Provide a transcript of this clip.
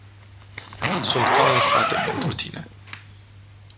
Sunt ca un frate pentru tine.